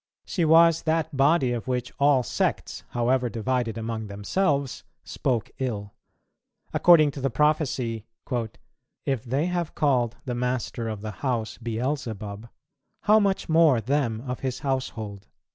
She was that body of which all sects, however divided among themselves, spoke ill; according to the prophecy, "If they have called the Master of the house Beelzebub, how much more them of His household."